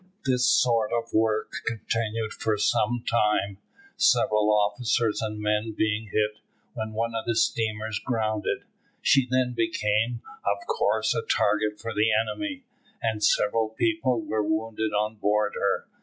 This sort of work continued for some time, several officers and men being hit, when one of the steamers grounded. She then became, of course, a target for the enemy, and several people were wounded on board her.